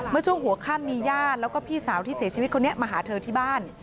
เมื่อช่วงหัวค่ำมีญาติแล้วก็พี่สาวที่เสียชีวิตคนนี้มาหาเธอที่บ้าน